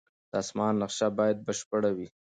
د اسمان نقشه باید بشپړه وي.